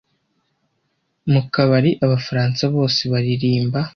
mu kabari abafaransa bose baririmba